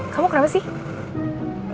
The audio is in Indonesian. kamu kenapa sih